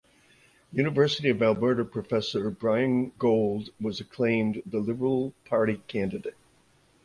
University of Alberta professor Brian Gold was acclaimed the Liberal Party candidate.